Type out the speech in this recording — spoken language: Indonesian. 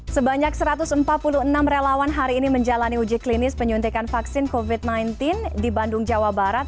sebanyak satu ratus empat puluh enam relawan hari ini menjalani uji klinis penyuntikan vaksin covid sembilan belas di bandung jawa barat